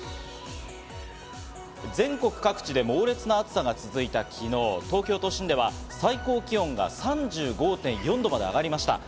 全国各地で猛烈な暑さが続いた昨日、東京都心では最高気温が３５．４度まで上がりました。